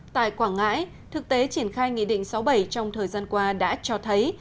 tại quảng ngãi thực tế triển khai nghị định sáu mươi bảy trong thời gian qua đã cho thấy